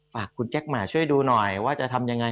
ฝากคุณแจ็คหมาช่วยดูหน่อยว่าจะทำยังไง